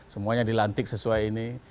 semuanya dilantik sesuai ini